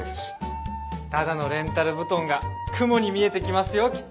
ただのレンタル布団が雲に見えてきますよきっと。